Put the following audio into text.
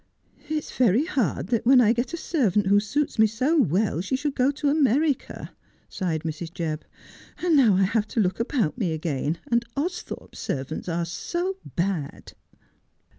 'It's very hard that when I get a servant who suits me so well she should go to America,' sighed Mrs. Jebb. 'x\v.d now The Man called Tinher. 239 I have to look about me again, and Austhorpe servants are so bad.'